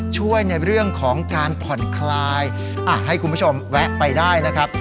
ในเรื่องของการผ่อนคลายให้คุณผู้ชมแวะไปได้นะครับ